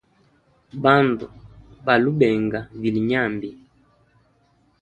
Bandu balu benga vilye nyambi.